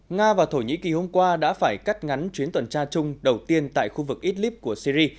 nga và thổ nhĩ kỳ hôm qua đã phải cắt ngắn chuyến tuần tra chung đầu tiên tại khu vực idlib của syri